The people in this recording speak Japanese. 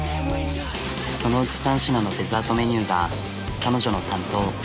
そのうち３品のデザートメニューが彼女の担当。